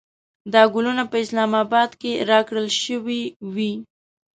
دا ګلونه په اسلام اباد کې راکړل شوې وې.